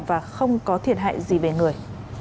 và không có thiệt hại gì về người